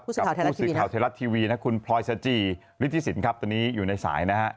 กับผู้สื่อข่าวไทยรัฐทีวีนะคุณพลอยสจีฤทธิสินครับตอนนี้อยู่ในสายนะฮะ